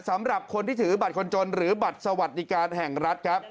สำหรับคนที่ถือบัตรคนจนหรือบัตรสวัสดิการแห่งรัฐครับ